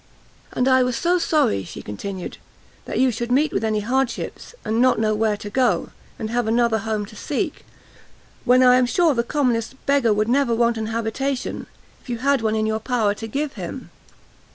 "And I was so sorry," she continued, "that you should meet with any hardships, and not know where to go, and have another home to seek, when I am sure the commonest beggar would never want an habitation, if you had one in your power to give him!